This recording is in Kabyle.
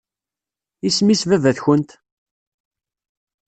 Isem-is baba-tkent?